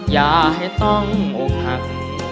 อย่าให้ต้องอกหัก